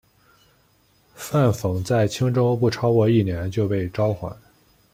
范讽在青州不超过一年就被召还。